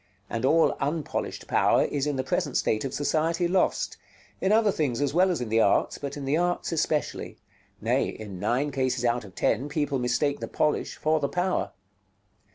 And all unpolished power is in the present state of society lost; in other things as well as in the arts, but in the arts especially: nay, in nine cases out of ten, people mistake the polish for the power.